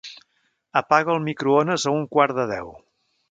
Apaga el microones a un quart de deu.